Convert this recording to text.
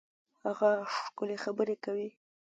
هغه ښکلي خبري کوي.